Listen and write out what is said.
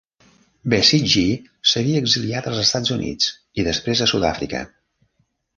Besigye s'havia exiliat als Estats Units i després a Sud-Àfrica.